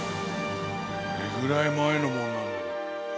どれぐらい前のものなんだろう？